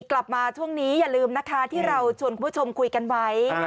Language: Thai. กลับมาช่วงนี้อย่าลืมนะคะที่เราชวนคุณผู้ชมคุยกันไว้